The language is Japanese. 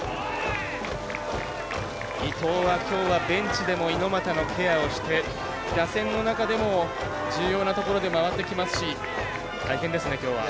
伊藤は、きょうはベンチでも猪俣のケアをして、打線の中でも重要なところで回ってきますし大変ですね、きょうは。